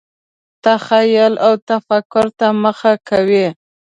تخیل او تفکر ته مخه کوي.